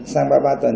sang ba mươi ba tuần